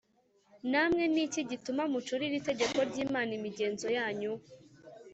“namwe ni iki gituma mucumurira itegeko ry’imana imigenzo yanyu?